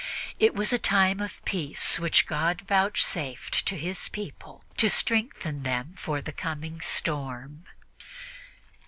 It was a time of peace which God vouchsafed to His people to strengthen them for the coming storm.